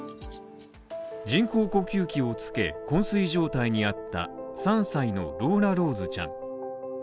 人工呼吸器をつけ、こん睡状態にあった３歳のローラローズちゃん。